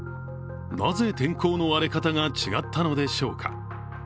なぜ、天候の荒れ方が違ったのでしょうか。